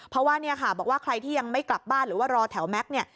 เพราะว่าเนี่ยค่ะบอกว่าใครที่ยังไม่กลับบ้านหรือว่ารอแถวแม็กซ์เนี่ย